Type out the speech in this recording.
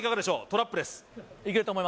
トラップです